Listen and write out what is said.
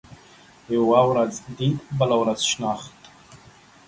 يوه ورځ ديد ، بله ورځ شناخت.